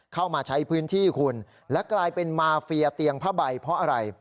เข้ามาใช้พื้นที่คุณและกลายเป็นมาเฟียเตียงผ้าใบเพราะอะไร